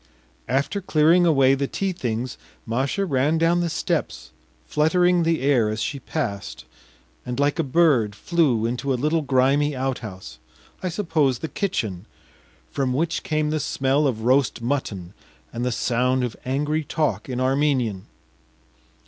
After clearing away the tea things, Masha ran down the steps, fluttering the air as she passed, and like a bird flew into a little grimy outhouse I suppose the kitchen from which came the smell of roast mutton and the sound of angry talk in Armenian.